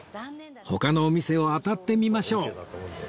他のお店をあたってみましょう